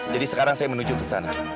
jadi sekarang saya menuju ke sana